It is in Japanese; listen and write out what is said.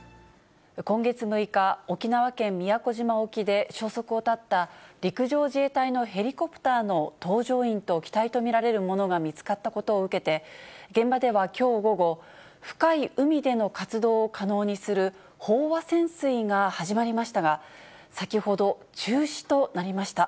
今月６日、沖縄県宮古島沖で消息を絶った、陸上自衛隊のヘリコプターの搭乗員と機体と見られるものが見つかったことを受けて、現場ではきょう午後、深い海での活動を可能にする飽和潜水が始まりましたが、先ほど、中止となりました。